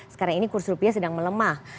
sekarang ini kurs rupiah sedang melemah